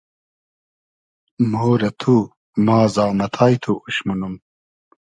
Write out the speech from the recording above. مۉ رۂ تو ، ما زامئتای تو اوش مونوم